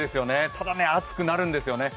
ただね、暑くなるんですよ。